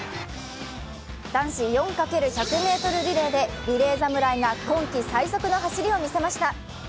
男子４×１００ｍリレーでリレー侍が今季最速の走りを見せました。